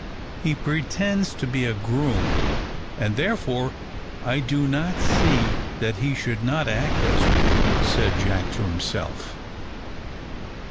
"He pretends to be a groom, and therefore I do not see that he should not act as one," said Jack to himself.